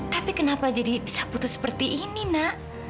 tapi kenapa jadi bisa putus seperti ini nak